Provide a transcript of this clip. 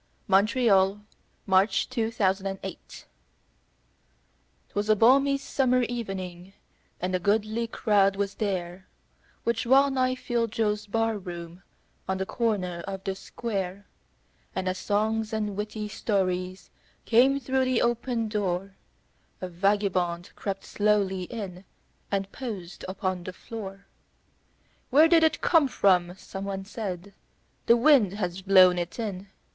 Y Z The Face on the Barroom Floor 'TWAS a balmy summer evening, and a goodly crowd was there, Which well nigh filled Joe's barroom, on the corner of the square; And as songs and witty stories came through the open door, A vagabond crept slowly in and posed upon the floor. "Where did it come from?" someone said. " The wind has blown it in."